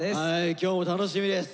今日も楽しみです。